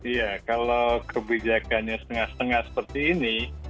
iya kalau kebijakannya setengah setengah seperti ini